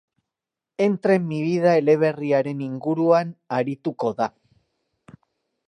Entra en mi vida eleberriaren inguruan arituko da.